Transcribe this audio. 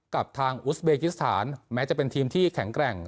กับทางอุสเบกิสถานแม้จะเป็นทีมที่แข็งแกร่ง